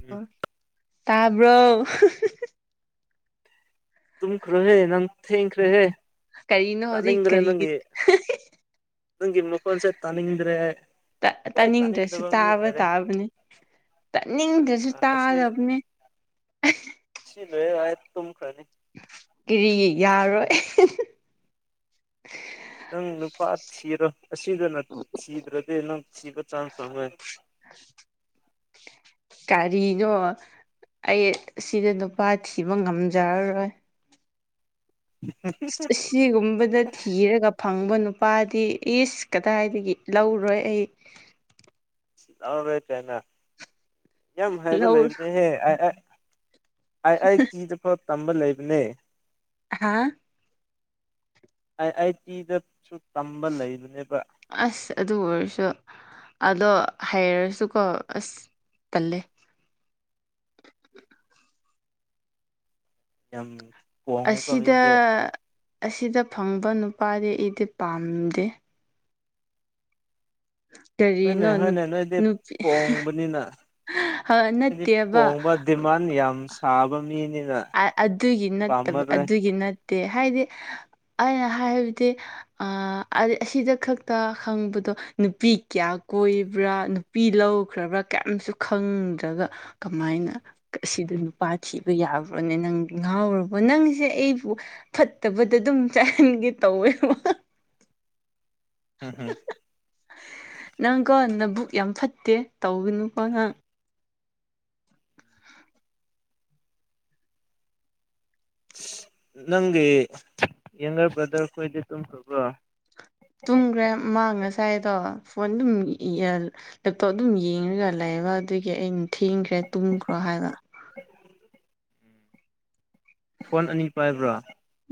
ꯎꯝ ꯇꯥꯕ꯭ꯔꯣ ꯇꯨꯝꯈ꯭ꯔꯣꯍꯦ ꯅꯪ ꯊꯦꯡꯈ꯭ꯔꯦꯍꯦ ꯀꯔꯤꯅꯣ ꯍꯧꯖꯤꯛ ꯇꯥꯅꯤꯡꯗ꯭ꯔꯦ ꯀꯔꯤꯒꯤ ꯅꯪꯒꯤ ꯅꯪꯒꯤ ꯃꯈꯣꯟꯁꯦ ꯇꯥꯅꯤꯡꯗ꯭ꯔꯦ ꯍꯣꯏ ꯇꯥꯅꯤꯡꯗ꯭ꯔꯁꯨ ꯇꯥꯅꯤꯡꯗꯕ ꯃꯤ ꯇꯥꯕ ꯑꯣꯏꯔꯦ ꯇꯥꯕꯅꯤ ꯇꯥꯅꯤꯡꯗ꯭ꯔꯁꯨ ꯇꯥꯒꯗꯕꯅꯦ ꯁꯤꯂꯣꯏꯔ ꯑꯥꯏ ꯇꯨꯝꯈ꯭ꯔꯅꯤ ꯀ꯭ꯔꯤꯒꯤ ꯌꯥꯔꯣꯏ ꯅꯪ ꯅꯨꯄꯥ ꯊꯤꯔꯣ ꯑꯁꯤꯗꯅ ꯊꯤꯗ꯭ꯔꯗꯤ ꯅꯪ ꯊꯤꯕ ꯆꯥꯟꯁ ꯐꯪꯉꯣꯏ [inaudible] ꯀꯥꯔꯤꯅꯣ ꯑꯩ ꯁꯤꯗ ꯅꯨꯄꯥ ꯊꯤꯕ ꯉꯝꯖꯔꯔꯣꯏ ꯍ ꯍꯥ ꯍ ꯑꯁꯤꯒꯨꯝꯕꯗ ꯊꯤꯔꯒ ꯐꯪꯕ ꯅꯨꯄꯥꯗꯤ ꯏꯁ ꯀꯗꯥꯏꯗꯒꯤ ꯂꯧꯔꯣꯏ ꯑꯩ ꯂꯥꯎꯔꯦ ꯀꯥꯏꯅꯥ ꯌꯥꯝ ꯍꯥꯏꯕ ꯂꯧꯔꯣꯏ ꯂꯩꯕꯅꯦꯍꯦ ꯑ ꯑꯥ ꯑꯥꯏ ꯑꯥꯏ ꯇꯤꯗ ꯐꯥꯎ ꯇꯝꯕ ꯂꯩꯕꯅꯦ ꯑꯍꯥꯥ ꯑꯥꯏ ꯑꯥꯏ ꯇꯤ ꯗꯁꯨ ꯇꯝꯕ ꯂꯩꯕꯅꯦꯕ ꯑꯁ ꯑꯗꯨ ꯑꯣꯏꯔꯁꯨ ꯑꯗꯣ ꯍꯩꯔꯁꯨꯀꯣ ꯑꯁ ꯇꯜꯂꯦ ꯌꯥꯝ ꯄꯣꯡꯉꯦꯀꯣ ꯑꯁꯤꯗ ꯃꯤꯗꯤ ꯑꯁꯤꯗ ꯐꯪꯕ ꯅꯨꯄꯥꯗꯤ ꯑꯩꯗꯤ ꯄꯥꯝꯗꯦ ꯍꯣꯏꯅꯦ ꯀꯔꯤꯅꯣ ꯍꯣꯏꯅꯦ ꯅꯣꯏꯗꯤ ꯅꯨꯄꯤ ꯄꯣꯡꯕꯅꯤꯅ ꯗꯤ ꯅꯠꯇꯦꯕ ꯄꯣꯡꯕ ꯗꯤꯃꯥꯟ ꯌꯥꯝ ꯁꯥꯕ ꯃꯤꯅꯤꯅ ꯑ ꯑꯗꯨꯒꯤ ꯅꯠꯇꯕ ꯄꯥꯝꯃꯔꯣꯏ ꯑꯗꯨꯒꯤ ꯅꯠꯇꯦ ꯍꯥꯏꯗꯤ ꯑꯩꯅ ꯍꯥꯏꯕꯗꯤ ꯑ ꯑꯗ ꯑꯁꯤꯗ ꯈꯛꯇ ꯈꯪꯕꯗꯣ ꯅꯨꯄꯤ ꯀꯌꯥ ꯀꯣꯏꯕ꯭ꯔꯥ ꯄꯤ ꯂꯧꯈ꯭ꯔꯕ꯭ꯔꯥ ꯀꯩꯝꯁꯨ ꯈꯪꯗ꯭ꯔꯒ ꯀꯃꯥꯏꯅ ꯑꯁꯤꯗ ꯅꯨꯄꯥ ꯊꯤꯕ ꯌꯥꯕ꯭ꯔꯣꯅꯦ ꯅꯪ ꯉꯥꯎꯔꯕꯣ ꯅꯪꯁꯦ ꯑꯩꯕꯨ ꯐꯠꯇꯕꯗ ꯑꯗꯨꯝ ꯆꯥꯏꯍꯟꯒꯦ ꯇꯧꯋꯦꯕ ꯍꯍꯥ ꯅꯪꯀꯣ ꯅꯕꯨꯛ ꯌꯥꯝ ꯐꯠꯇꯦ ꯇꯧꯒꯅꯨꯀꯣ ꯅꯪ ꯅꯪꯒꯤ ꯌꯦꯡꯒꯔ ꯕ꯭ꯔꯗꯔ ꯈꯣꯏꯗꯤ ꯇꯨꯝꯈ꯭ꯔꯕ ꯇꯨꯝꯈ꯭ꯔꯦ ꯃꯥ ꯉꯁꯥꯏꯗꯣ ꯐꯣꯟ ꯑꯗꯨꯝ ꯌꯦꯑꯥ ꯂꯦꯞꯇꯣꯞ ꯑꯗꯨꯝ ꯌꯦꯡꯉꯒ ꯂꯩꯌꯦꯕ ꯑꯗꯨꯒꯤ ꯑꯩꯅ ꯊꯦꯡꯈ꯭ꯔꯦ ꯇꯨꯝꯈ꯭ꯔꯣ ꯍꯥꯏꯕ ꯐꯣꯟ ꯑꯅꯤ ꯄꯥꯏꯕ꯭ꯔꯥ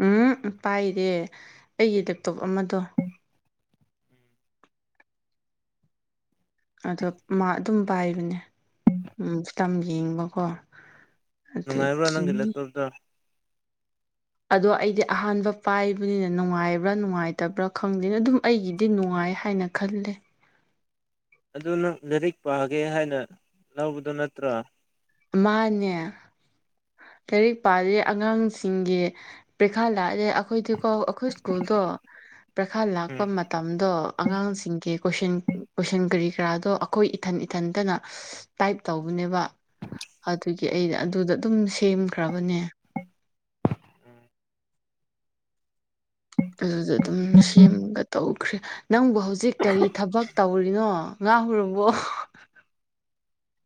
ꯎꯝꯎ ꯄꯥꯏꯗꯦ ꯑꯩꯒꯤ ꯂꯦꯞꯇꯣꯞ ꯑꯃꯗꯣ ꯑꯗꯣ ꯃꯥ ꯑꯗꯨꯝ ꯄꯥꯏꯕꯅꯦ ꯎꯝ ꯐꯤꯂꯝ ꯌꯦꯡꯕꯀꯣ ꯅꯨꯡꯉꯥꯏꯕ꯭ꯔꯣ ꯅꯪꯒꯤ ꯑꯗꯨꯒꯤꯅꯤ ꯂꯦꯞꯇꯣꯞꯇꯣ ꯑꯗꯣ ꯑꯩꯗꯤ ꯑꯍꯥꯟꯕ ꯄꯥꯏꯕꯅꯤꯅ ꯅꯨꯡꯉꯥꯏꯕ꯭ꯔꯥ ꯅꯨꯡꯉꯥꯏꯇꯕ꯭ꯔꯥ ꯈꯪꯗꯦ ꯑꯗꯨꯝ ꯑꯩꯒꯤꯗꯤ ꯅꯨꯡꯉꯥꯏ ꯍꯥꯏꯅ ꯈꯜꯂꯦ ꯑꯗꯨ ꯅꯪ ꯂꯥꯏꯔꯤꯛ ꯄꯥꯒꯦ ꯍꯥꯏꯅ ꯂꯧꯕꯗꯣ ꯅꯠꯇ꯭ꯔꯣ ꯃꯥꯟꯅꯦ ꯂꯥꯏꯔꯤꯛ ꯄꯥꯗꯦ ꯑꯉꯥꯡꯁꯤꯡꯒꯤ ꯄ꯭ꯔꯤꯈꯥ ꯂꯥꯛꯑꯗꯤ ꯑꯩꯈꯣꯏꯗꯤ ꯀꯣ ꯑꯩꯈꯣꯏ ꯁ꯭ꯀꯨꯜꯗꯣ ꯄ꯭ꯔꯤꯈꯥ ꯂꯥꯛꯄ ꯎꯝ ꯃꯇꯝꯗꯣ ꯑꯉꯥꯡꯁꯤꯡ ꯀꯦ ꯀꯣꯏꯁꯟ ꯀꯣꯏꯁꯟ ꯀꯔꯤ ꯀꯔꯥꯗꯣ ꯑꯩꯈꯣꯏ ꯏꯊꯟ ꯏꯊꯟꯇꯅ ꯇꯥꯏꯞ ꯇꯧꯕꯅꯦꯕ ꯑꯗꯨꯒꯤ ꯑꯩꯅ ꯑꯗꯨꯗ ꯑꯗꯨꯝ ꯁꯦꯝꯈ꯭ꯔꯕꯅꯦ ꯎ ꯑꯗꯨꯗ ꯑꯗꯨꯝ ꯁꯦꯝꯒ ꯇꯧꯈ꯭ꯔꯦ ꯅꯪꯕꯨ ꯍꯧꯖꯤꯛ ꯀꯔꯤ ꯊꯕꯛ ꯇꯧꯔꯤꯅꯣ ꯉꯥꯎ ꯍꯧꯔꯕꯣ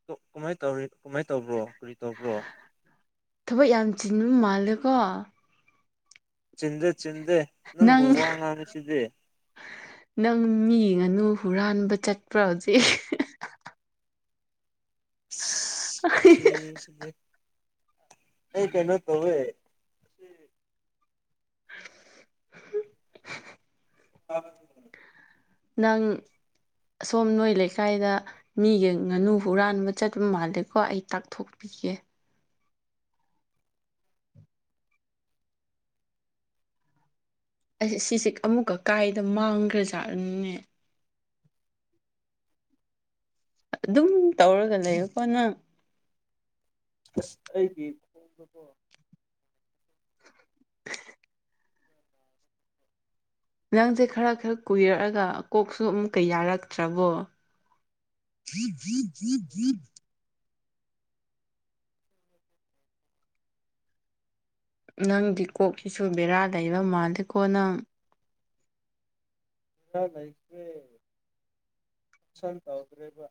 ꯗꯣ ꯀꯃꯥꯏ ꯇꯧꯔꯤ ꯀꯃꯥꯏꯅ ꯇꯧꯕ꯭ꯔꯣ ꯀꯔꯤ ꯇꯧꯕ꯭ꯔꯣ ꯊꯕꯛ ꯌꯥꯝ ꯆꯤꯟꯕ ꯃꯥꯜꯂꯦꯀꯣ ꯆꯤꯟꯗꯦ ꯆꯤꯟꯗꯦ ꯅꯪꯕꯨ ꯅꯪ ꯋꯥ ꯉꯥꯡꯉꯤ ꯁꯤꯗꯤ ꯅꯪ ꯃꯤ ꯉꯥꯅꯨ ꯍꯨꯔꯥꯟꯕ ꯆꯠꯄ꯭ꯔꯥ ꯍꯧꯖꯤꯛ ꯁꯤ [unintelligible] ꯑꯩ ꯀꯩꯩꯅꯣ ꯇꯧꯋꯦ [inaudible] [unintelligible] ꯅꯪ ꯑꯁꯣꯝ ꯅꯣꯏ ꯂꯩꯀꯥꯏꯗ ꯃꯤꯒꯤ ꯉꯥꯅꯨ ꯍꯨꯔꯥꯟꯕ ꯆꯠꯄ ꯃꯥꯜꯂꯦꯀꯣ ꯑꯩ ꯇꯥꯛꯊꯣꯛꯄꯤꯒꯦ ꯑꯩ ꯁꯤꯁꯦ ꯑꯃꯨꯛꯀ ꯀꯥꯏꯗ ꯃꯥꯡꯈ꯭ꯔꯖꯥꯠꯅꯣꯅꯦ ꯑꯗꯨꯝ ꯇꯧꯔꯒ ꯂꯩꯌꯨꯀꯣ ꯅꯪ ꯑꯁ ꯑꯩꯒꯤ ꯊꯣꯡꯕꯗꯣ ꯅꯪꯁꯦ ꯈꯔ ꯈꯔ ꯀꯨꯏꯔꯛꯑꯒ ꯀꯣꯛꯁꯨ ꯑꯃꯨꯛꯀ ꯌꯥꯔꯛꯇ꯭ꯔꯕꯣ [unintelligible] ꯅꯪꯗꯤ ꯀꯣꯛꯀꯤꯁꯨ ꯕꯦꯔꯥ ꯂꯩꯕ ꯃꯥꯂꯦꯀꯣ ꯅꯪ ꯈꯔꯥ ꯂꯥꯏꯇ꯭ꯔꯦ ꯁꯟ ꯇꯧꯗ꯭ꯔꯦꯕ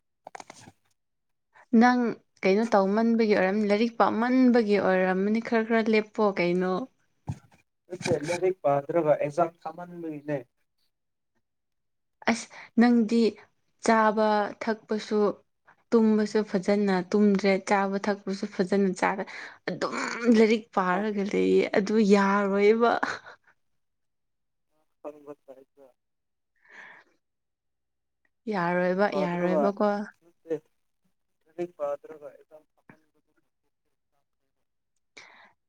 ꯅꯪ ꯀꯩꯅꯣ ꯇꯧꯃꯟꯕꯒꯤ ꯑꯣꯏꯔꯝꯅꯤ ꯂꯥꯏꯔꯤꯛ ꯄꯥ ꯃꯟꯕꯒꯤ ꯑꯣꯏꯔꯝꯃꯅꯤ ꯈꯔ ꯈꯔ ꯂꯦꯞꯄꯣ ꯀꯩꯅꯣ ꯑꯩ ꯂꯥꯏꯔꯤꯛ ꯄꯗ꯭ꯔꯒ ꯑꯦꯛꯖꯥꯝ ꯊꯥꯃꯟꯕꯩꯅꯦ ꯑꯁ ꯅꯪꯗꯤ ꯆꯥꯕ ꯊꯛꯄꯁꯨ ꯇꯨꯝꯕꯁꯨ ꯐꯖꯅ ꯇꯨꯝꯗ꯭ꯔꯦ ꯆꯥꯕ ꯊꯛꯄꯁꯨ ꯐꯖꯅ ꯆꯥꯔꯦ ꯑꯗꯨꯝ ꯂꯥꯏꯔꯤꯛ ꯄꯥꯔꯒ ꯂꯩꯌꯦ ꯑꯗꯨ ꯌꯥꯔꯣꯏꯕ [unintelligible] ꯌꯥꯔꯣꯏꯕ ꯄꯥꯗ꯭ꯔꯒ ꯌꯥꯔꯣꯏꯕꯀꯣ ꯅꯠꯇꯦ ꯂꯥꯏꯔꯤꯛ ꯄꯥꯇ꯭ꯔꯒ ꯑꯦꯛꯖꯥꯝ [unintelligible]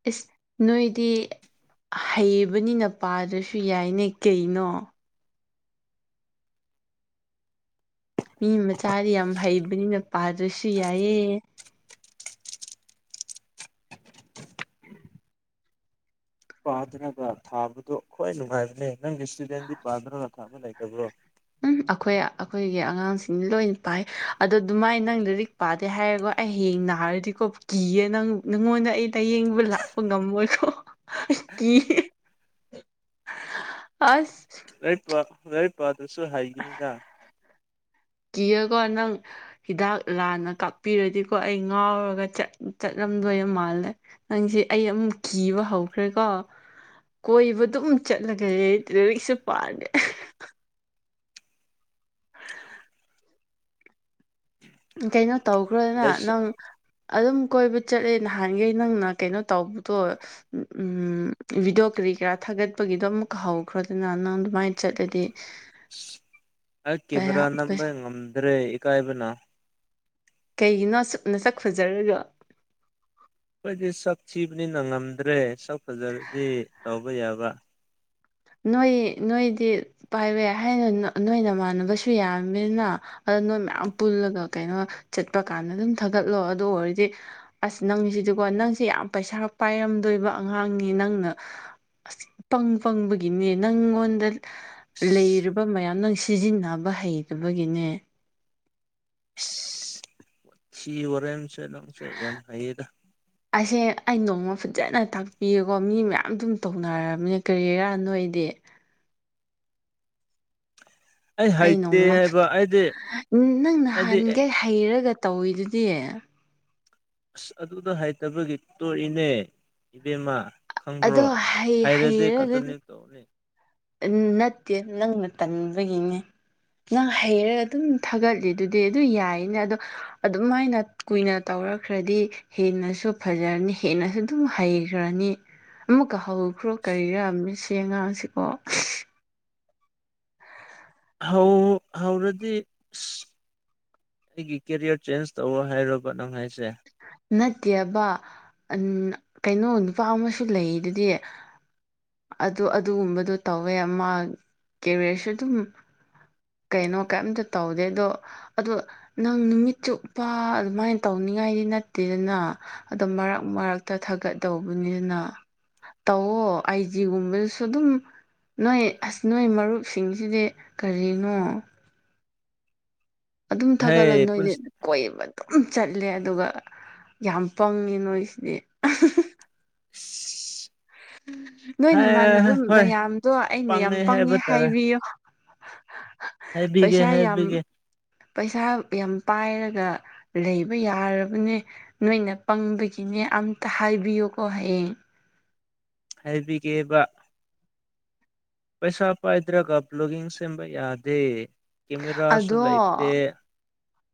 ꯏꯁ ꯅꯣꯏꯗꯤ ꯍꯩꯕꯅꯤꯅ ꯄꯥꯗ꯭ꯔꯁꯨ ꯌꯥꯏꯅꯦ ꯀꯩꯅꯣ ꯃꯤ ꯃꯆꯥꯗꯤ ꯌꯥꯝ ꯍꯩꯕꯅꯤꯅ ꯄꯥꯗ꯭ꯔꯁꯨ ꯌꯥꯏꯌꯦ ꯄꯥꯗ꯭ꯔꯒ ꯊꯥꯕꯗꯣ ꯈ꯭ꯋꯥꯏ ꯅꯨꯡꯉꯥꯏꯕꯅꯦ ꯅꯪꯒꯤ ꯏꯁꯇꯨꯗꯦꯟꯗꯤ ꯄꯥꯗ꯭ꯔꯒ ꯊꯥꯕ ꯂꯩꯇꯕ꯭ꯔꯣ ꯎꯝ ꯑꯈꯣꯏ ꯑꯈꯣꯏꯒꯤ ꯑꯉꯥꯡꯁꯤꯡꯅ ꯂꯣꯏꯅ ꯄꯥꯏ ꯑꯗ ꯑꯗꯨꯃꯥꯏꯅ ꯅꯪ ꯂꯥꯔꯤꯛ ꯄꯥꯗꯦ ꯍꯥꯏꯔꯒꯣ ꯑꯩ ꯍꯌꯦꯡ ꯅꯥꯔꯗꯤꯀꯣ ꯀꯤꯌꯦ ꯅꯪ ꯅꯪꯉꯣꯟꯗ ꯑꯩ ꯂꯥꯏꯌꯦꯡꯕ ꯂꯥꯛꯄ ꯉꯝꯃꯣꯏꯀꯣ ꯀꯤꯌꯦ ꯑꯁ ꯂꯥꯏꯔꯤꯛꯄ ꯂꯥꯏꯔꯤꯛꯄꯗꯔ꯭ꯁꯨ ꯍꯩꯒꯥꯅꯤꯗ ꯀꯤꯌꯦꯀꯣ ꯅꯪ ꯍꯤꯗꯥꯛ ꯂꯥꯟꯅ ꯀꯥꯞꯄꯤꯔꯗꯤꯀꯣ ꯑꯩ ꯉꯥꯎꯔꯒ ꯆꯠ ꯆꯠꯂꯝꯗꯣꯏ ꯃꯥꯜꯂꯦ ꯅꯪꯖꯦ ꯑꯩ ꯑꯃꯨꯛ ꯀꯤꯕ ꯍꯧꯈ꯭ꯔꯦꯀꯣ ꯀꯣꯏꯕ ꯑꯗꯨꯝ ꯆꯠꯂꯒ ꯂꯥꯔꯤꯛ ꯂꯥꯏꯔꯤꯛꯁꯨ ꯄꯥꯗꯦ ꯀꯩꯅꯣ ꯇꯧꯈ꯭ꯔꯣꯗꯅ ꯗꯁ ꯅꯪ ꯑꯗꯨꯝ ꯀꯣꯏꯕ ꯆꯠꯂꯦ ꯅꯍꯥꯟꯒꯩ ꯅꯪꯅ ꯀꯩꯅꯣ ꯇꯧꯕꯗꯣ ꯎꯝ ꯚꯤꯗꯤꯑꯣ ꯀꯔꯤ ꯀꯔꯥ ꯊꯥꯒꯠꯄꯒꯤꯗꯣ ꯑꯃꯨꯛꯀ ꯍꯧꯈ꯭ꯔꯣꯗꯅ ꯅꯪ ꯑꯗꯨꯃꯥꯏꯅ ꯆꯠꯂꯗꯤ ꯑꯁ ꯑꯩ ꯀꯦꯃꯦꯔꯥ ꯅꯝꯕ ꯉꯝꯗ꯭ꯔꯦ ꯏꯀꯥꯏꯕꯅ ꯀꯩꯒꯤꯅꯣ ꯑꯁꯨꯛ ꯃꯁꯛ ꯐꯖꯔꯒꯥ ꯑꯈꯣꯏꯗꯤ ꯁꯛ ꯊꯤꯕꯅꯤꯅ ꯉꯝꯗ꯭ꯔꯦ ꯁꯛ ꯐꯖꯔꯗꯤ ꯇꯧꯕ ꯌꯥꯕ ꯅꯣꯏ ꯅꯣꯏꯗꯤ ꯄꯥꯏꯕ ꯍꯥꯏꯅ ꯅꯣꯏ ꯅꯃꯥꯟꯅꯕꯁꯨ ꯌꯥꯝꯃꯤꯅ ꯑꯗ ꯅꯣꯏ ꯃꯌꯥꯝ ꯄꯨꯜꯂꯒ ꯀꯩꯅꯣ ꯆꯠꯄ ꯀꯥꯟꯗ ꯑꯗꯨꯝ ꯊꯥꯒꯠꯂꯣ ꯑꯗꯨ ꯑꯣꯏꯔꯗꯤ ꯑꯁ ꯅꯪꯁꯤꯗꯤꯀꯣ ꯅꯪꯁꯦ ꯌꯥꯝ ꯄꯩꯁꯥ ꯄꯥꯏꯔꯝꯗꯣꯏꯕ ꯑꯉꯥꯡꯅꯤ ꯅꯪꯅ ꯄꯪ ꯄꯪꯕꯒꯤ ꯒꯤꯅꯦ ꯅꯪꯉꯣꯟꯗ ꯂꯩꯔꯕ ꯃꯌꯥꯝ ꯅꯪ ꯁꯤꯖꯤꯟꯅꯕ ꯍꯩꯇꯕꯒꯤꯅꯦ ꯁꯤ ꯋꯥꯔꯦꯝ ꯌꯥꯝ ꯍꯩꯌꯦꯗ ꯑꯁꯦ ꯑꯩ ꯅꯣꯡꯃ ꯐꯖꯅ ꯇꯥꯛꯄꯤꯒꯦꯀꯣ ꯃꯤ ꯃꯌꯥꯝ ꯑꯗꯨꯝ ꯇꯧꯅꯔꯝꯅꯦ ꯀꯔꯤꯔꯥ ꯅꯣꯀ ꯏꯗꯤ ꯑꯩ ꯍꯩꯇꯦ ꯅꯣꯡꯃ ꯍꯥꯏꯕ ꯑꯩꯗꯤ ꯅꯪ ꯑꯩꯗꯤ ꯅꯍꯥꯟꯒꯩ ꯍꯩꯔꯒ ꯇꯧꯋꯤꯗꯨꯗꯤ ꯑꯁ ꯑꯗꯨꯗ ꯍꯩꯇꯕꯒꯤ ꯇꯣꯛꯏꯅꯦ ꯏꯕꯦꯝꯃ ꯑꯗꯣ ꯈꯪꯕ꯭ꯔꯣ ꯍꯩ ꯍꯥꯏꯔꯗꯤ ꯍꯩꯔꯒ [unintelligible] ꯅꯠꯇꯦ ꯅꯪꯅ ꯇꯟꯕꯒꯤꯅꯦ ꯅꯪ ꯍꯩꯔꯒ ꯑꯗꯨꯝ ꯊꯥꯒꯠꯂꯤꯗꯨꯗꯤ ꯑꯗꯨ ꯌꯥꯏꯅ ꯑꯗꯣ ꯑꯗꯨꯝꯃꯥꯏꯅ ꯀꯨꯏꯅ ꯇꯧꯔꯛꯈ꯭ꯔꯗꯤ ꯍꯦꯟꯅꯁꯨ ꯐꯖꯔꯅꯤ ꯍꯦꯟꯅꯁꯨ ꯑꯗꯨꯝ ꯍꯩꯈ꯭ꯔꯅꯤ ꯑꯃꯨꯛꯀ ꯍꯧꯈ꯭ꯔꯣ ꯀꯔꯤꯔꯥ ꯃꯁꯤ ꯑꯉꯥꯡꯁꯦꯀꯣ ꯍꯧ ꯍꯧꯔꯗꯤ ꯑꯁ ꯑꯩꯒꯤ ꯀꯦꯔꯤꯌꯔ ꯆꯦꯟꯖ ꯇꯧꯔꯣ ꯍꯥꯏꯔꯣꯕ ꯅꯪ ꯍꯥꯏꯁꯦ ꯅꯠꯇꯦꯕ ꯎꯝ ꯀꯩꯅꯣ ꯅꯨꯄꯥ ꯑꯃꯁꯨ ꯂꯩꯗꯨꯗꯤ ꯑꯗꯣ ꯑꯗꯨꯒꯨꯝꯕꯗꯣ ꯇꯧꯋꯦ ꯃꯥ ꯀꯦꯔꯤꯌꯔꯁꯨ ꯑꯗꯨꯝ ꯀꯩꯅꯣ ꯀꯩꯝꯇ ꯇꯧꯗꯦ ꯑꯗꯣ ꯑꯗꯣ ꯅꯪ ꯅꯨꯃꯤꯠ ꯆꯨꯞꯄ ꯑꯗꯨꯃꯥꯏꯅ ꯇꯧꯅꯤꯡꯉꯥꯏꯗꯤ ꯅꯠꯇꯦꯗꯅ ꯑꯗꯣ ꯃꯔꯛ ꯃꯔꯛꯇ ꯊꯥꯒꯠꯗꯧꯕꯅꯤꯅ ꯇꯧꯑꯣ ꯑꯥꯏꯖꯤꯒꯨꯝꯕꯗꯁꯨ ꯑꯗꯨꯝ ꯅꯣꯏ ꯑꯁ ꯅꯣꯏ ꯃꯔꯨꯞꯁꯤꯡꯁꯤꯗꯤ ꯀꯔꯤꯅꯣ ꯑꯗꯨꯝ ꯊꯥꯒꯠꯂꯣ ꯍꯩ ꯅꯣꯏꯗꯤ ꯄꯨꯟꯁ ꯀꯣꯏꯕ ꯑꯗꯨꯝ ꯆꯠꯂꯦ ꯑꯗꯨꯒ ꯌꯥꯝ ꯄꯪꯉꯤ ꯅꯣꯏꯁꯤꯗꯤ [inaudible] ꯅꯣꯏ ꯅꯃꯥꯟꯅꯕ ꯍꯣꯏ ꯃꯌꯥꯝꯗꯣ ꯑꯩꯅ ꯌꯥꯝ ꯄꯪꯉꯦ ꯍꯥꯏꯕ ꯇꯥꯔꯦ ꯍꯥꯏꯕꯤꯌꯣ ꯍꯥꯏꯕꯤꯒꯦ ꯄꯩꯁꯥ ꯌꯥꯝ ꯍꯥꯏꯕꯤꯒꯦ ꯄꯩꯁꯥ ꯌꯥꯝ ꯄꯥꯏꯔꯒ ꯂꯩꯕ ꯌꯥꯔꯕꯅꯦ ꯅꯣꯏꯅ ꯄꯪꯕꯒꯤꯅꯦ ꯑꯝꯇ ꯍꯥꯏꯕꯤꯌꯨꯀꯣ ꯍꯌꯦꯡ ꯍꯥꯏꯕꯤꯒꯦꯕ ꯄꯩꯁꯥ ꯄꯥꯏꯗ꯭ꯔꯒ ꯕ꯭ꯂꯣꯒꯤꯡ ꯁꯦꯝꯕ ꯌꯥꯗꯦ ꯀꯦꯃꯦꯔꯥꯁꯨ ꯑꯗꯣ ꯂꯩꯇꯦ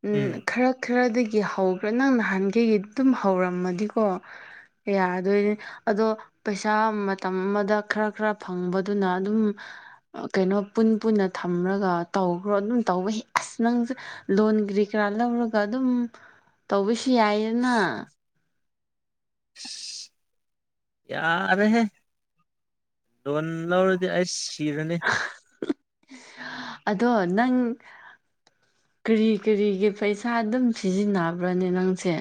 ꯎꯝ ꯈꯔ ꯈꯔꯗꯒꯤ ꯍꯧꯒ꯭ꯔꯥ ꯅꯪ ꯅꯍꯥꯟꯒꯩꯗꯩ ꯑꯗꯨꯝ ꯍꯧꯔꯝꯃꯗꯤꯀꯣ ꯌꯥꯗꯣꯏꯅꯦ ꯑꯗꯣ ꯄꯩꯁꯥ ꯃꯇꯝ ꯑꯃꯗ ꯈꯔ ꯈꯔ ꯐꯪꯕꯗꯨꯅ ꯑꯗꯨꯝ ꯀꯩꯅꯣ ꯄꯨꯟ ꯄꯨꯟꯅ ꯊꯝꯔꯒ ꯇꯧꯒ꯭ꯔꯣ ꯑꯗꯨꯝ ꯇꯧꯕꯍꯦ ꯑꯁ ꯅꯪꯁꯦ ꯂꯣꯟ ꯀꯔꯤ ꯀꯔꯥ ꯂꯧꯔꯒ ꯑꯗꯨꯝ ꯇꯧꯕꯁꯨ ꯌꯥꯏꯌꯦꯅ ꯌꯥꯔꯦꯍꯦ ꯂꯣꯟ ꯂꯧꯔꯗꯤ ꯑꯩ ꯁꯤꯔꯅꯤ ꯑꯗꯣ ꯅꯪ ꯀꯔꯤ ꯀꯔꯤꯒꯤ ꯄꯩꯁꯥ ꯑꯗꯨꯝ ꯁꯤꯖꯤꯟꯅꯕ꯭ꯔꯅꯦ ꯅꯪꯁꯦ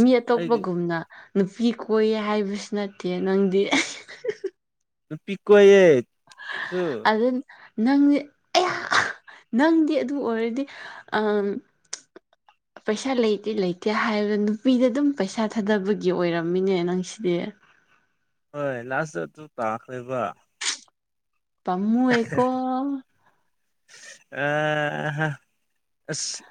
ꯃꯤ ꯑꯩꯒꯤ ꯑꯇꯣꯞꯄꯒꯨꯝꯅ ꯅꯨꯄꯤ ꯀꯣꯏꯌꯦ ꯍꯥꯏꯕꯁꯨ ꯅꯠꯇꯦ ꯅꯪꯗꯤ ꯅꯨꯄꯤ ꯀꯣꯏꯌꯦ ꯑꯩꯁꯨ ꯑꯗꯨ ꯅꯪꯗꯤ ꯑꯌꯥ ꯅꯪꯗꯤ ꯑꯗꯨ ꯑꯣꯏꯔꯗꯤ ꯑꯥꯝ ꯄꯩꯁꯥ ꯂꯩꯇꯦ ꯂꯩꯇꯦ ꯍꯥꯏꯔ ꯅꯨꯄꯤꯗ ꯑꯗꯨꯝ ꯄꯩꯁꯥ ꯊꯥꯗꯕꯒꯤ ꯑꯣꯏꯔꯝꯃꯤꯅꯦ ꯅꯪꯁꯤꯗꯤ ꯍꯣꯏ ꯂꯥꯁꯇ ꯑꯗꯨ ꯇꯥꯈ꯭ꯔꯦꯕ ꯄꯝꯃꯨꯏꯌꯦꯀꯣ ꯑꯥꯍꯥ ꯑꯁ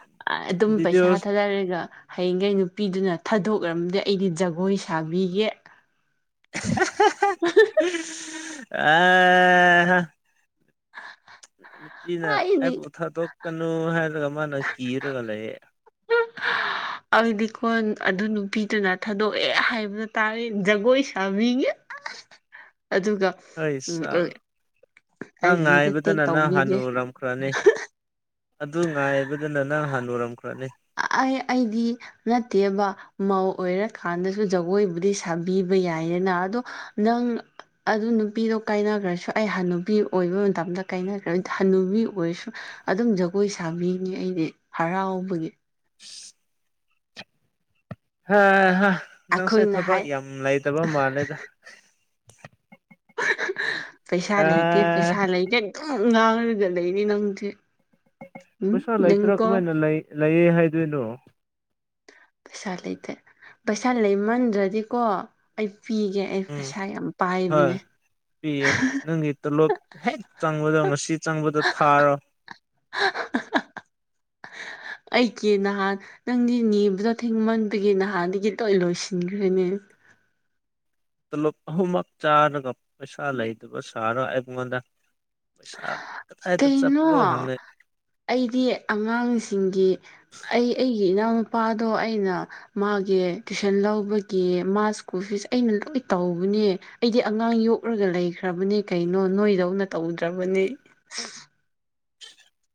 ꯑꯗꯨꯝ ꯚꯤꯗꯤꯑꯣ ꯄꯩꯁꯥ ꯊꯥꯗꯔꯒ ꯍꯌꯦꯡꯒꯩ ꯅꯨꯄꯤꯗꯨꯅ ꯊꯥꯗꯣꯛꯔꯝꯔꯗꯤ ꯑꯩꯗꯤ ꯖꯒꯣꯏ ꯁꯥꯕꯤꯒꯦ ꯍꯥꯍꯥ ꯑꯥꯍꯥ [unintelligible] [unintelligible] ꯅꯨꯄꯤꯅ ꯑꯩꯗꯤ ꯑꯩꯕꯨ ꯊꯥꯗꯣꯛꯀꯅꯨ ꯍꯥꯏꯔꯒ ꯃꯥꯅ ꯀꯤꯔꯒ ꯂꯩꯌꯦ [unintelligible] ꯑꯩꯗꯤꯀꯣ ꯑꯗꯨ ꯅꯨꯄꯤꯗꯨꯅ ꯊꯥꯗꯣꯛꯑꯦ ꯍꯥꯏꯕꯗꯨ ꯇꯥꯔꯦ ꯖꯒꯣꯏ ꯁꯥꯕꯤꯒꯦ ꯑꯗꯨꯒ ꯑꯩ ꯎꯝ ꯁꯥꯥ ꯑꯩ ꯅꯪ ꯑꯥꯏꯖꯤꯗ ꯇꯦꯛ ꯉꯥꯏꯕꯗꯅ ꯅꯪ ꯇꯧꯕꯤꯒꯦ ꯍꯅꯨꯔꯝꯈ꯭ꯔꯅꯤ ꯑꯗꯨ ꯉꯥꯏꯕꯗꯅ ꯅꯪ ꯍꯥꯟꯅꯨꯔꯝꯈ꯭ꯔꯅꯤ ꯑꯩ ꯑꯩꯗꯤ ꯅꯠꯇꯦꯕ ꯃꯧ ꯑꯣꯏꯔꯀꯥꯟꯗꯖꯨ ꯖꯒꯣꯏꯕꯨꯗꯤ ꯁꯥꯕꯤꯕ ꯌꯥꯏꯌꯦꯅ ꯑꯗꯣ ꯅꯪ ꯑꯗꯨ ꯅꯨꯄꯤꯗꯣ ꯀꯥꯏꯅꯒ꯭ꯔꯁꯨ ꯑꯩ ꯍꯥꯟꯅꯨꯕꯤ ꯑꯣꯏꯕ ꯃꯇꯝꯗ ꯀꯥꯏꯅꯈ꯭ꯔ ꯍꯟꯅꯨꯕꯤ ꯑꯣꯏꯔꯁꯨ ꯑꯗꯨꯝ ꯖꯒꯣꯏ ꯁꯥꯕꯤꯅꯤ ꯑꯩꯗꯤ ꯍꯔꯥꯎꯕꯒꯤ ꯍꯦꯍꯥ ꯅꯪꯁꯦ ꯑꯩꯈꯣꯏꯅ ꯊꯕꯛ ꯍꯥꯏ ꯌꯥꯝ ꯂꯩꯇꯕ ꯃꯥꯜꯂꯦꯗ ꯄꯩꯁꯥ ꯂꯩꯇꯦ ꯑꯦ ꯄꯩꯁꯥ ꯂꯩꯇꯦ ꯑꯗꯨꯝ ꯉꯥꯡꯔꯒ ꯂꯩꯅꯦ ꯅꯪꯖꯦ ꯄꯩꯁꯥ ꯂꯩꯇ꯭ꯔꯥ ꯀꯃꯥꯏꯅ ꯂꯩ ꯂꯩꯌꯦ ꯍꯥꯏꯗꯣꯏꯅꯣ ꯄꯩꯁꯥ ꯂꯩꯇꯦ ꯄꯩꯁꯥ ꯂꯩꯃꯟꯗ꯭ꯔꯗꯤꯀꯣ ꯑꯩ ꯄꯤꯒꯦ ꯑꯩ ꯎꯝ ꯄꯩꯁꯥ ꯌꯥꯝ ꯍꯣꯏ ꯄꯥꯏꯕꯅꯦ ꯄꯤꯌꯦ ꯅꯪꯒꯤ ꯇꯣꯂꯣꯞ ꯍꯦꯛ ꯆꯪꯕꯗꯣ ꯉꯁꯤ ꯆꯪꯕꯗꯣ ꯊꯥꯔꯣ ꯑꯩꯀꯤ ꯅꯍꯥꯟ ꯅꯪꯗꯤ ꯅꯤꯕꯗꯣ ꯊꯦꯡꯃꯟꯕꯒꯤ ꯅꯍꯥꯟꯗꯒꯤ ꯂꯣꯏ ꯂꯣꯏꯁꯤꯒ꯭ꯔꯦꯅꯦ ꯇꯣꯂꯣꯞ ꯑꯍꯨꯝꯃꯛ ꯆꯥꯔꯒ ꯄꯩꯁꯥ ꯂꯩꯇꯕ ꯁꯥꯔ ꯑꯩꯉꯣꯟꯗ ꯄꯩꯁꯥ ꯀꯗꯥꯏꯇ ꯀꯩꯅꯣ ꯆꯠꯄ꯭ꯔꯣ ꯍꯪꯪꯉꯦ ꯑꯩꯗꯤ ꯑꯉꯥꯡꯁꯤꯡꯒꯤ ꯑꯩ ꯑꯩꯒꯤ ꯏꯅꯥꯎꯅꯨꯄꯥꯗꯣ ꯑꯩꯅ ꯃꯥꯒꯤ ꯇꯨꯏꯁꯟ ꯂꯧꯕꯒꯤ ꯃꯥ ꯁ꯭ꯀꯨꯜ ꯐꯤꯁ ꯑꯩꯅ ꯂꯣꯏ ꯇꯧꯕꯅꯦ ꯑꯩꯗꯤ ꯑꯉꯥꯡ ꯌꯣꯛꯔꯒ ꯂꯩꯈ꯭ꯔꯕꯅꯦ ꯀꯩꯅꯣ ꯅꯣꯏꯗꯧꯅ ꯇꯧꯗ꯭ꯔꯕꯅꯦ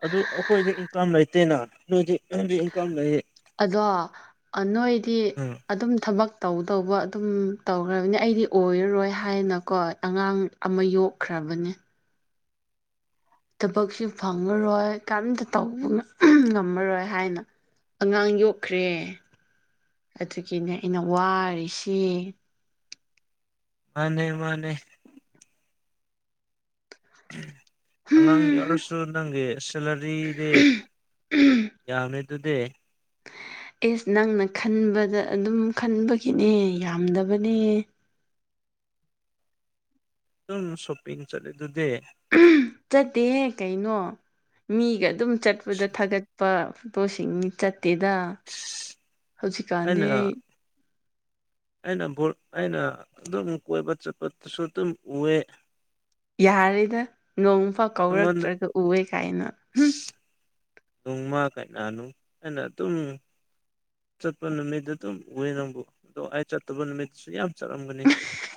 ꯑꯗꯨ ꯑꯩꯈꯣꯏꯗꯤ ꯏꯟꯀꯝ ꯂꯩꯇꯦꯅ ꯅꯣꯏꯗꯤ ꯅꯪꯗꯤ ꯏꯟꯀꯝ ꯂꯩꯌꯦ ꯑꯗꯣ ꯑꯥ ꯅꯣꯏꯗꯤ ꯎꯝ ꯑꯗꯨꯝ ꯊꯕꯛ ꯇꯧꯗꯧꯕ ꯑꯗꯨꯝ ꯇꯧꯔꯕꯅꯤ ꯑꯩꯗꯤ ꯑꯣꯏꯔꯔꯣꯏ ꯍꯥꯏꯅꯀꯣ ꯑꯉꯥꯡ ꯑꯃ ꯌꯣꯛꯈ꯭ꯔꯕꯅꯦ ꯊꯕꯛꯁꯨ ꯐꯪꯉꯔꯣꯏ ꯀꯩꯝꯇ ꯇꯧꯕ [unintelligible] ꯉꯝꯃꯔꯣꯏ ꯍꯥꯏꯅ ꯑꯉꯥꯡ ꯌꯣꯛꯈ꯭ꯔꯦ ꯑꯗꯨꯒꯤꯅꯦ ꯑꯩꯅ ꯋꯥꯔꯤꯁꯤ ꯃꯥꯅꯦ ꯃꯥꯅꯦ [inaudible] ꯑꯉꯥꯡ ꯌꯥꯎꯔꯁꯨ ꯅꯪꯒꯤ ꯁꯦꯂꯔꯤꯗꯤ ꯌꯥꯝꯃꯤ ꯑꯗꯨꯗꯤ ꯏꯁ ꯅꯪꯅ ꯈꯟꯕꯗ ꯑꯗꯨꯝ ꯈꯟꯕꯒꯤꯅꯦ ꯌꯥꯝꯗꯕꯅꯦ ꯑꯗꯨꯝ ꯁꯣꯄꯤꯡ ꯆꯠꯂꯤꯗꯨꯗꯤ [unintelligible] ꯆꯠꯇꯦꯍꯦ ꯀꯩꯅꯣ ꯃꯤꯒ ꯑꯗꯨꯝ ꯆꯠꯄꯗ ꯊꯥꯒꯠ ꯄꯥ ꯐꯣꯇꯣꯁꯤꯡꯅꯤ ꯆꯠꯇꯦꯗ ꯑꯩꯅ ꯍꯧꯖꯤꯛꯀꯥꯟꯗꯤ ꯑꯥ ꯑꯩꯅ ꯕꯨ ꯑꯩꯅ ꯑꯗꯨꯝ ꯀꯣꯏꯕ ꯆꯠꯄꯗꯁꯨ ꯑꯗꯨꯝ ꯎꯑꯦ ꯌꯥꯔꯦꯗ ꯅꯣꯡꯐꯥꯎ ꯅꯪꯉꯣꯟꯗ ꯀꯧꯔꯛꯇ꯭ꯔꯒ ꯎꯑꯦ ꯀꯥꯏꯅ ꯍꯨꯝ ꯅꯣꯡꯃ ꯀꯩꯅꯥꯅꯨ ꯑꯩꯅ ꯑꯗꯨꯝ ꯆꯠꯄ ꯅꯨꯃꯤꯠꯇ ꯑꯗꯨꯝ ꯍꯋꯦ ꯅꯪꯕꯨ ꯑꯗꯣ ꯑꯩ ꯆꯠꯇꯕ ꯅꯨꯃꯤꯠꯇꯁꯨ ꯌꯥꯝ ꯆꯠꯂꯝꯒꯅꯤ